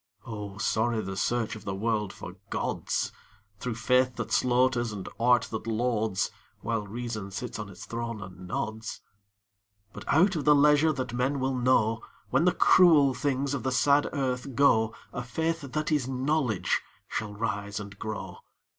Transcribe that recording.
Oh, sorry the search of the world for gods, Through faith that slaughters and art that lauds, While reason sits on its throne and nods. But out of the leisure that men will know, When the cruel things of the sad earth go, A Faith that is Knowledge shall rise and grow.